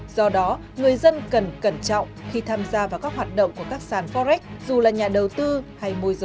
do đó người dân cần cẩn trọng khi tham gia vào các hoạt động của các sản phó rách dù là nhà đầu tư hay môi giới